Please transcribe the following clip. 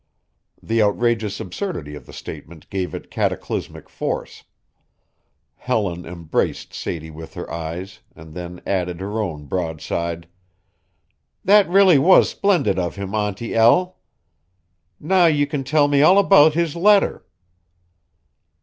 The outrageous absurdity of the statement gave it cataclysmic force. Helen embraced Sadie with her eyes and then added her own broadside: "That really was splendid of him, Auntie El? Now you can tell me all about his letter."